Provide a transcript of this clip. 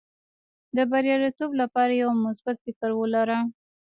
د بریالیتوب لپاره یو مثبت فکر ولره.